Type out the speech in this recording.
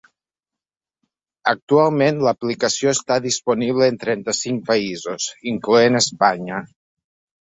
Actualment l’aplicació està disponible en trenta-cinc països, incloent Espanya.